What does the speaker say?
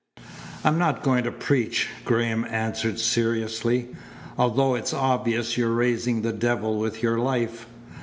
"I'm not going to preach," Graham answered seriously, "although it's obvious you're raising the devil with your life.